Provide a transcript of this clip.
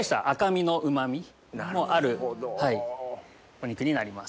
お肉になります。